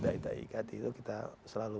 daidai ikdi itu kita selalu